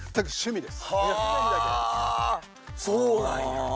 はぁそうなんや。